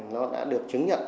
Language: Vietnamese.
nó đã được chứng nhận